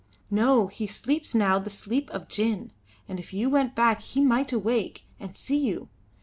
"No, he sleeps now the sleep of gin; and if you went back he might awake and see you.